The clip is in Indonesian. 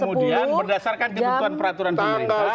berdasarkan kebutuhan peraturan pemerintah